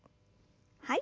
はい。